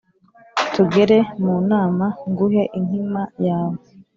tugere mu nama nguhe inkima yawe